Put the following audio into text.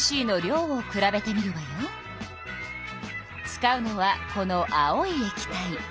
使うのはこの青いえき体。